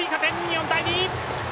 ４対２。